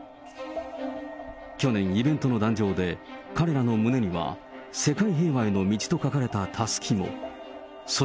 去年、イベントの壇上で、彼らの胸には、世界平和への道と書かれたたすきも。